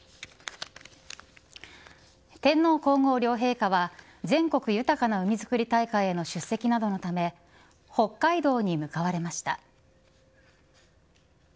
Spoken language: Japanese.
天皇皇后両陛下は全国豊かな海づくり大会への出席などのため北海道に向かわれました。